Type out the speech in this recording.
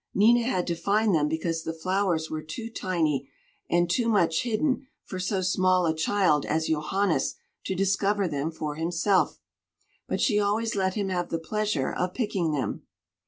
Nina had to find them because the flowers were too tiny and too much hidden for so small a child as Johannes to discover them for himself, but she always let him have the pleasure of picking them.